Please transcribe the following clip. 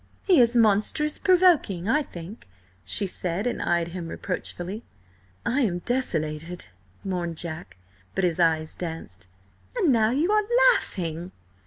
"He is monstrous provoking, I think," she said, and eyed him reproachfully. "I am desolated," mourned Jack, but his eyes danced. "And now you are laughing!"